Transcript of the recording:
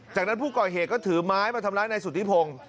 จากนั้นผู้ก่อเหตุก็ถือไม้มาทำร้ายนายสุธิพงศ์